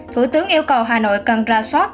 thủ tướng yêu cầu hà nội cần ra soát